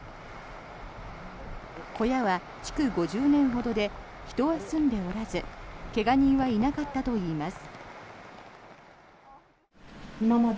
小屋は築５０年ほどで人は住んでおらず怪我人はいなかったといいます。